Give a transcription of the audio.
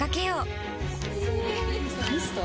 ミスト？